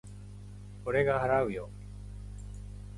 俺が払うよ。